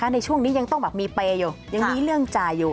ในช่วงนี้ยังต้องมีเปย์อยู่ยังมีเรื่องจ่ายอยู่